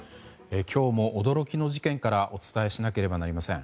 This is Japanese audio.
今日も驚きの事件からお伝えしなければなりません。